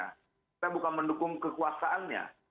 kita bukan mendukung kekuasaannya